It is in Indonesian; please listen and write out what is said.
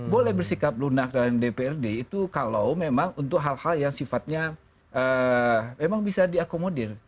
boleh bersikap lunak dengan dprd itu kalau memang untuk hal hal yang sifatnya memang bisa diakomodir